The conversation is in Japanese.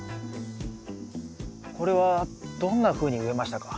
これはどんなふうに植えましたか？